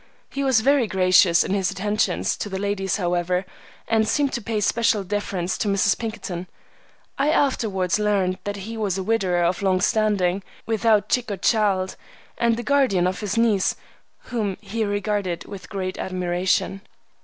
He was very gracious in his attentions to the ladies, however, and seemed to pay special deference to Mrs. Pinkerton. I afterwards learned that he was a widower of long standing, without chick or child, and the guardian of his niece, whom he regarded with great admiration.